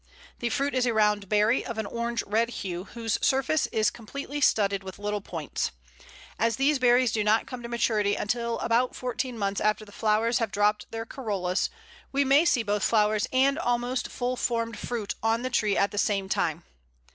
The fruit is a round berry, of an orange red hue, whose surface is completely studded with little points. As these berries do not come to maturity until about fourteen months after the flowers have dropped their corollas, we may see both flowers and almost full formed fruit on the tree at the same time.